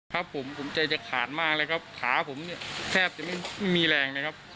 สผมใจจะขาดมากเลยครับขาผมแทบจะไม่มีแรงนะครับ